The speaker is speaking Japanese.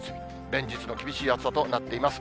連日の厳しい暑さとなっています。